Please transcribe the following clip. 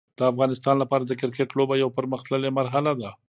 د افغانستان لپاره د کرکټ لوبه یو پرمختللی مرحله ده.